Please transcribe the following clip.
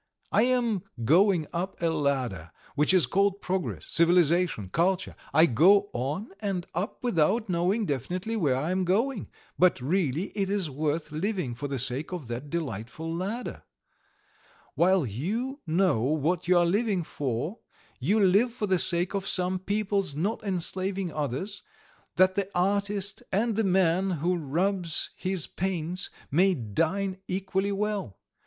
I am going up a ladder which is called progress, civilization, culture; I go on and up without knowing definitely where I am going, but really it is worth living for the sake of that delightful ladder; while you know what you are living for, you live for the sake of some people's not enslaving others, that the artist and the man who rubs his paints may dine equally well.